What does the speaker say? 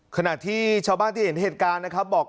ขณะที่ชาวบ้านที่เห็นเหตุการณ์นะครับบอก